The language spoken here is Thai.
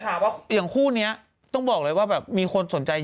ว่าอย่างคู่นี้ต้องบอกเลยว่าแบบมีคนสนใจเยอะ